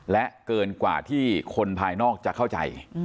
และเกินกว่าที่คนภายนอกจะเข้าใจ